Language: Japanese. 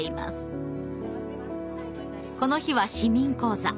この日は市民講座。